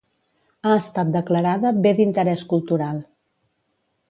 Ha estat declarada Bé d’interès cultural.